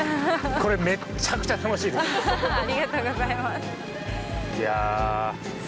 これ、めっちゃくちゃ楽しいです！